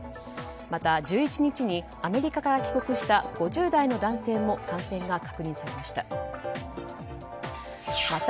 また、１１日にアメリカから帰国した５０代の男性も感染が確認されました。